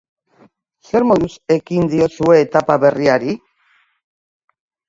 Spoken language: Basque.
Zer moduz ekin diozue etapa berriari?